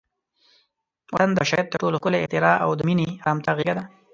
وطن د بشریت تر ټولو ښکلی اختراع او د مینې، ارامتیا غېږه ده.